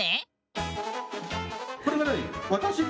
これは何？